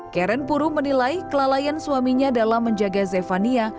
karen puru menilai kelalaian suaminya dalam menjaga zefania